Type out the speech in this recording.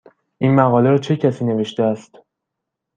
این مقاله را چه کسی نوشته است؟